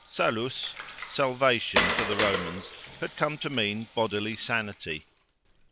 Salus, salvation, for the Romans, had come to mean bodily sanity.